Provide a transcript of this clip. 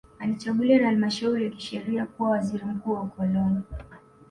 Alichaguliwa na halmashauri ya kisheria kuwa waziri mkuu wa ukoloni